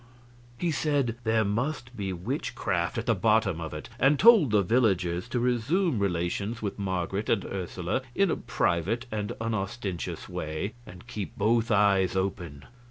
He said there must be witchcraft at the bottom of it, and told the villagers to resume relations with Marget and Ursula in a private and unostentatious way, and keep both eyes open.